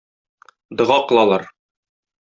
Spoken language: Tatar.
Дога кылалар.